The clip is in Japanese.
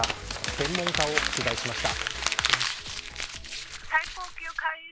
専門家を取材しました。